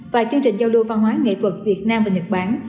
và chương trình giao lưu văn hóa nghệ thuật việt nam và nhật bản